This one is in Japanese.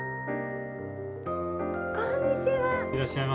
こんにちは！